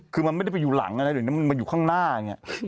คือมันไม่ได้อยู่หลังอะไรมันอยู่ข้างหน้าอย่างนี้